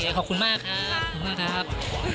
โอเคขอบคุณมากครับ